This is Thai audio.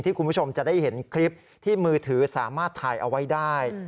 คุณผู้ชมจะได้เห็นคลิปที่มือถือสามารถถ่ายเอาไว้ได้